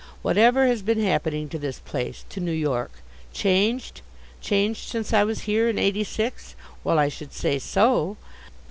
Whatever has been happening to this place, to New York? Changed? Changed since I was here in '86? Well, I should say so.